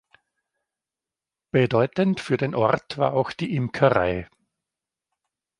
Bedeutend für den Ort war auch die Imkerei.